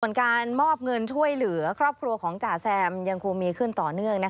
ส่วนการมอบเงินช่วยเหลือครอบครัวของจ่าแซมยังคงมีขึ้นต่อเนื่อง